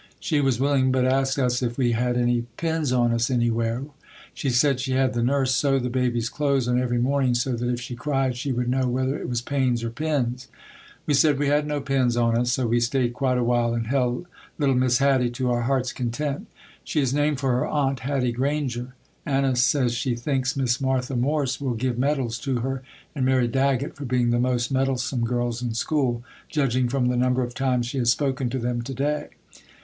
She was willing but asked us if we had any pins on us anywhere. She said she had the nurse sew the baby's clothes on every morning so that if she cried she would know whether it was pains or pins. We said we had no pins on us, so we stayed quite a while and held little Miss Hattie to our heart's content. She is named for her aunt, Hattie Granger. Anna says she thinks Miss Martha Morse will give medals to her and Mary Daggett for being the most meddlesome girls in school, judging from the number of times she has spoken to them to day.